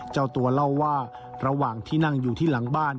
เจ้าตัวเล่าว่าระหว่างที่นั่งอยู่ที่หลังบ้าน